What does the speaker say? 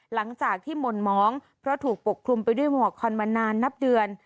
หลังจากที่หม่นมองเพราะถูกปกคลุมไปด้วยหมวกคอนมานานนับเดือน